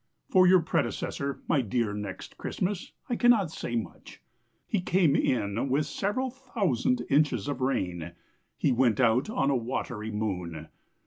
For your predecessor, My dear Next Christmas, I cannot say much. He came in with several thousand inches of rain; He went out on a watery moon.